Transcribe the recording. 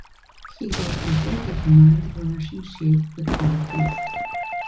He got offered the command of a Russian ship, but he refused.